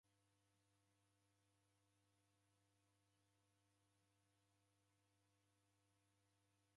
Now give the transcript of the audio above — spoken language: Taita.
Isi w'a Afrika ni isi didedagha viteto va w'andu w'azima.